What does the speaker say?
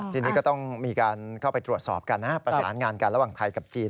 ทีนี้ก็ต้องมีการเข้าไปตรวจสอบกันนะประสานงานกันระหว่างไทยกับจีน